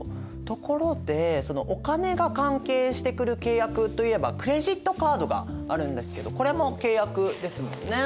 ところでお金が関係してくる契約といえばクレジットカードがあるんですけどこれも契約ですもんね。